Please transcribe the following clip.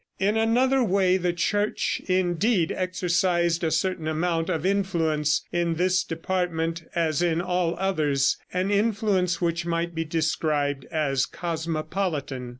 In another way the Church, indeed, exercised a certain amount of influence in this department as in all others, an influence which might be described as cosmopolitan.